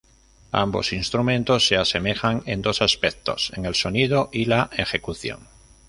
Ambos instrumentos se asemejan en dos aspectos: en el sonido y la ejecución.